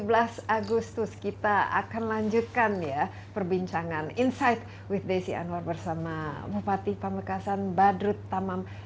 tujuh belas agustus kita akan lanjutkan ya perbincangan insight with desi anwar bersama bupati pamekasan badrut tamam